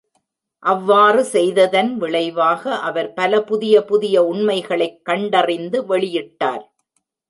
அவ்வாறு செய்ததின் விளைவாக, அவர் பல புதிய புதிய உண்மைகளைக் கண்டறிந்து வெளியிட்டார்.